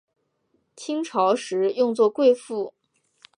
清朝时用作贵族妇女的称谓。